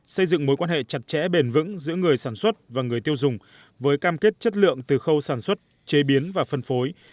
xây dựng mối quan hệ chặt chẽ bền vững giữa người sản xuất và người tiêu dùng với cam kết chất lượng từ khâu sản xuất chế biến và phân phối